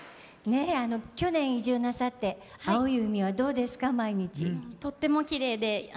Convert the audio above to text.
去年、移住なさって青い海はどうですか？